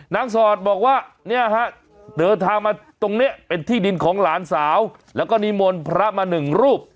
สอดบอกว่าเนี่ยฮะเดินทางมาตรงนี้เป็นที่ดินของหลานสาวแล้วก็นิมนต์พระมาหนึ่งรูป